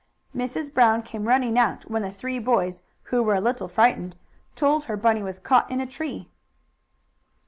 Mrs. Brown came running out when the three boys, who were a little frightened, told her Bunny was caught in a tree.